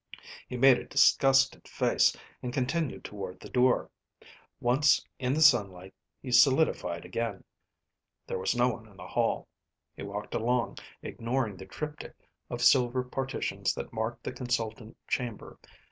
He made a disgusted face, and continued toward the door. Once in the sunlight, he solidified again. There was no one in the hall. He walked along, ignoring the triptych of silver partitions that marked the consultant chamber.